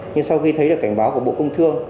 nhưng sau khi thấy được cảnh báo của bộ công thương